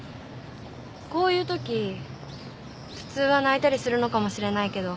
こういうとき普通は泣いたりするのかもしれないけど。